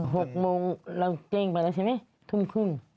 หกโมงเราเก้งไปแล้วใช่ไหมทุ่มครึ่ง